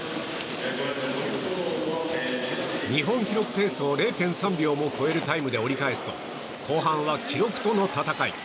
日本記録を０．３秒上回るペースで折り返すと後半は記録との戦い。